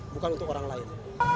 bukan untuk orang lain